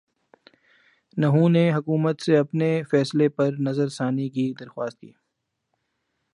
نہوں نے حکومت سے اپنے فیصلے پرنظرثانی کی درخواست کی